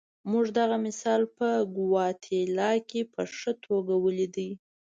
موږ دغه مثال په ګواتیلا کې په ښه توګه ولیده.